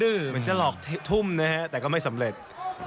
เหมือนจะหลอกทุ่มนะฮะแต่ก็ไม่สำเร็จ